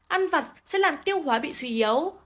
ăn vặt sẽ làm tiêu hóa bị suy yếu